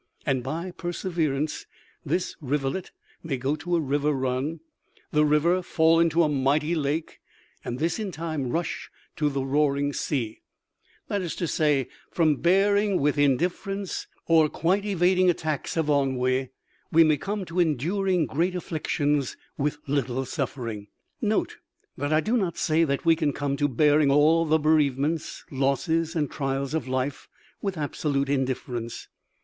And by perseverance this rivulet may to a river run, the river fall into a mighty lake, and this in time rush to the roaring sea; that is to say, from bearing with indifference or quite evading attacks of ennui, we may come to enduring great afflictions with little suffering. Note that I do not say that we can come to bearing all the bereavements, losses, and trials of life with absolute indifference.